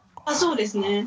あそうですね。